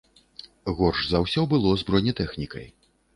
Горш за ўсё было з бронетэхнікай.